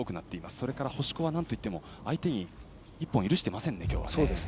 それから星子はなんといっても今日は相手に１本を許していません。